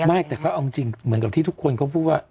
ไม่แต่ก็เอาจริงเหมือนกับที่ทุกคนเขาพูดว่า